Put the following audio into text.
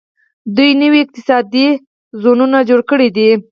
دوی نوي اقتصادي زونونه جوړ کړي دي.